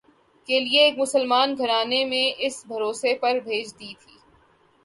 کے لئے ایک مسلمان گھرانے میں اِس بھروسے پر بھیج دی تھی